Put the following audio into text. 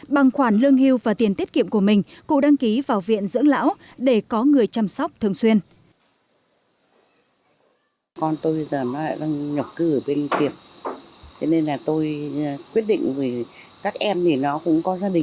bằng khoản lương hưu và tiền tiết kiệm của mình cụ đăng ký vào viện dưỡng lão để có người chăm sóc thường xuyên